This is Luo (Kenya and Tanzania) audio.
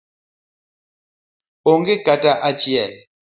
Onge kata achiel.